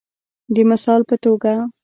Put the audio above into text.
د مثال په توګه